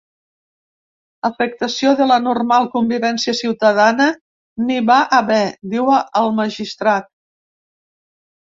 Afectació de la normal convivència ciutadana n’hi va haver, diu el magistrat.